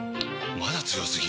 まだ強すぎ？！